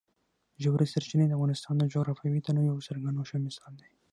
ژورې سرچینې د افغانستان د جغرافیوي تنوع یو څرګند او ښه مثال دی.